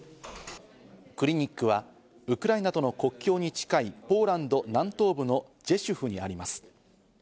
クリニックはウクライナとの国境に近いポーランド南東部のジェシュフにあります。